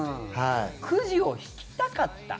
くじを引きたかった？